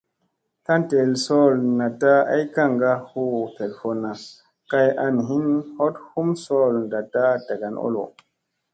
Tlan ɗel sool naɗta ay kaŋga hu telfunna kay an hin hoɗ hum sool naɗta ɗagan olo.